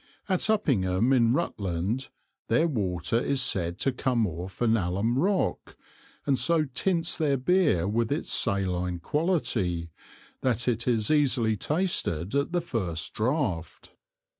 At Uppingham in Rutland, their water is said to come off an Allum rock, and so tints their Beer with its saline Quality, that it is easily tasted at the first Draught.